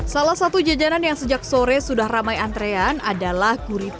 salah satu jajanan yang sejak sore sudah ramai antrean adalah kurikulu